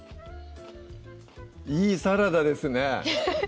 いいサラダですね